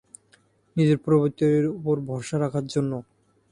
নিজের প্রবৃত্তির ওপর ভরসা রাখার জন্য।